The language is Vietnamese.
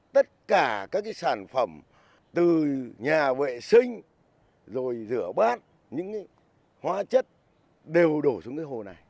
tất cả các cái sản phẩm từ nhà vệ sinh rồi rửa bát những hóa chất đều đổ xuống cái hồ này